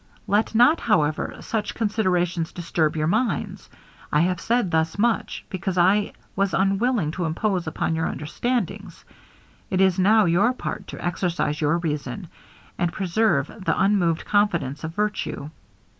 Let not, however, such considerations disturb your minds. I have said thus much, because I was unwilling to impose upon your understandings; it is now your part to exercise your reason, and preserve the unmoved confidence of virtue.